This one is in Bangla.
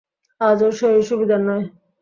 আজ ওর শরীর সুবিধার নয়।